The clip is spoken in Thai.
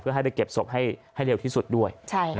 เพื่อให้เข็บศพให้เร็วที่สุดด้วย